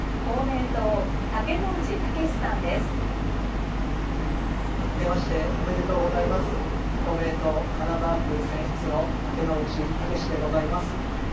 公明党金沢区選出の竹野内猛でございます。